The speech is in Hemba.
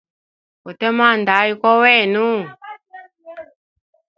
Ute mwanda ayi kowa wenu.